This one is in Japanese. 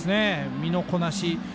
身のこなし。